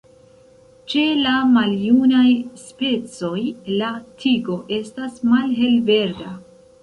Ĉe la maljunaj specoj, la tigo estas malhelverda.